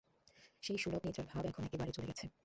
সেই সুলভ নিদ্রার ভাব এখন একেবারে চলে গেছে।